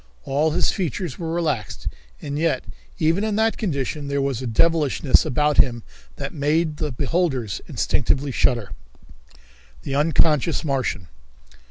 All his features were relaxed, and yet even in that condition there was a devilishness about him that made the beholders instinctively shudder. The Unconscious Martian.